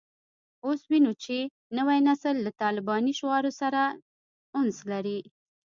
اوس وینو چې نوی نسل له طالباني شعارونو سره انس لري